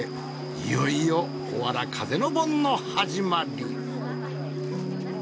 いよいよおわら風の盆の始まり。